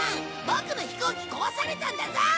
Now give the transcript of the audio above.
ボクの飛行機壊されたんだぞ！